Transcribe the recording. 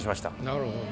なるほど。